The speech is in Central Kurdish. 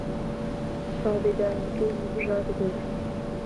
ساڵی داهاتوو هەڵبژاردنە.